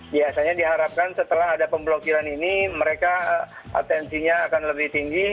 biasanya diharapkan setelah ada pemblokiran ini mereka atensinya akan lebih tinggi